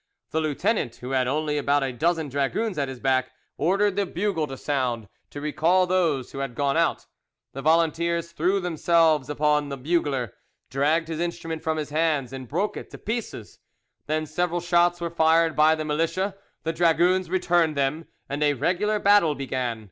The lieutenant, who had only about a dozen dragoons at his back, ordered the bugle to sound, to recall those who had gone out; the volunteers threw themselves upon the bugler, dragged his instrument from his hands, and broke it to pieces. Then several shots were fired by the militia, the dragoons returned them, and a regular battle began.